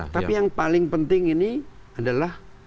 tapi yang paling penting ini adalah